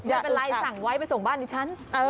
โอเคไม่เป็นไรสั่งไว้ไปตามยี่ชั้น